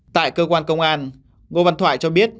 tại cơ quan công an ngô văn thoại cho biết